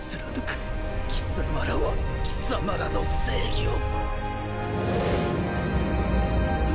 貴様らは貴様らの正義を。